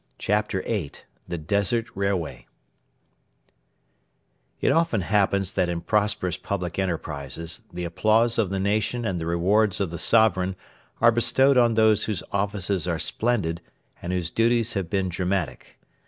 CHAPTER VIII: THE DESERT RAILWAY It often happens that in prosperous public enterprises the applause of the nation and the rewards of the sovereign are bestowed on those whose offices are splendid and whose duties have been dramatic.